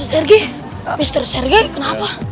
mr sergei mr sergei kenapa